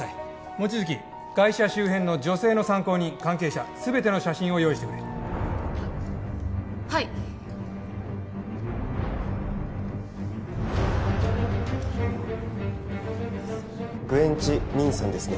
望月ガイシャ周辺の女性の参考人関係者全ての写真を用意してくれははいグエン・チ・ミンさんですね